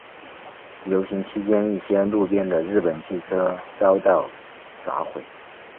游行期间一些路边的日本汽车遭到砸毁。